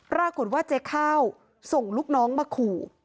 ปรากฏว่าเจ๊ข้าวส่งลูกน้องมาขู่